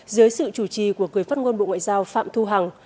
dưới sự chủ trì của người phát ngôn bộ ngoại giao phạm thu hằng